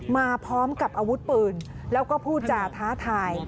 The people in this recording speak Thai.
มาพร้อมกับอาวุธปืนแล้วก็พูดจาท้าทาย